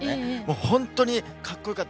本当にかっこよかった！